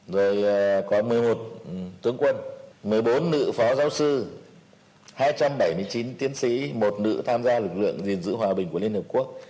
rồi có một mươi một tướng quân một mươi bốn nữ phó giáo sư hai trăm bảy mươi chín tiến sĩ một nữ tham gia lực lượng gìn giữ hòa bình của liên hợp quốc